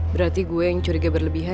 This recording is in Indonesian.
berarti gue yang curiga berlebihan